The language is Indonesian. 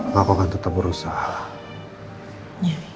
mak akan tetap berusaha